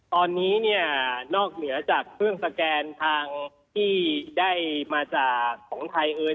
ตอนนี้เนี่ยนอกเหนือจากเครื่องสแกนทางที่ได้มาจากของไทยเอ่ย